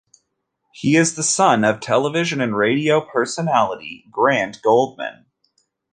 He is the son of television and radio personality Grant Goldman.